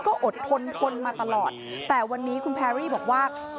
ก็อดทนทนมาตลอดแต่วันนี้คุณแพรรี่บอกว่า